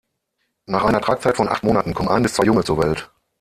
Nach einer Tragzeit von acht Monaten kommen ein bis zwei Junge zur Welt.